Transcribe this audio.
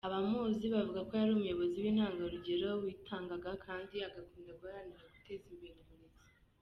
Abamuzi bavuga ko yari umuyobozi w’intangarugero witangaga kandi agakunda guharanira guteza imbere uburezi.